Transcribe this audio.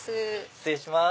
失礼します。